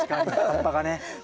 葉っぱがね。